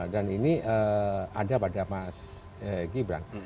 dan ini ada pada mas gibran